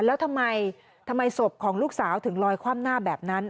แล้วทำไมทำไมศพของลูกสาวถึงลอยคว่ำหน้าแบบนั้น